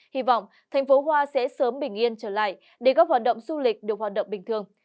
hy vọng thành phố hoa sẽ sớm bình yên trở lại để các hoạt động du lịch được hoạt động bình thường